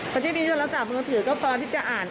พอที่มีโทรศัพท์มือถือก็พอที่จะอ่าน